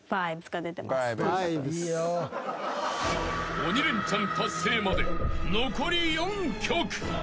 ［鬼レンチャン達成まで残り４曲］